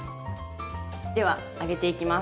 では揚げていきます。